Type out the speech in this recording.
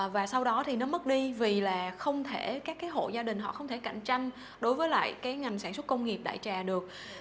và sau đó thì nó mất đi vì là không thể các cái hộ gia đình họ không thể cạnh tranh đối với lại cái ngành sản xuất công nghiệp đại trà được